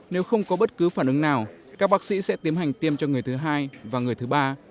nếu không có bất cứ phản ứng nào các bác sĩ sẽ tiêm hành tiêm cho người thứ hai và người thứ ba